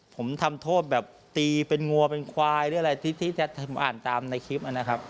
ผมทำโทษแบบตีเป็นงัวเป็นควายหรืออะไรที่จะอ่านตามในคลิปนะครับ